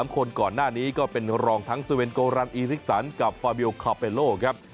๓คนก่อนหน้านี้ก็เป็นรองทั้งเซเวนโกรันอีริกสันกับฟาบิลคาเปโลครับ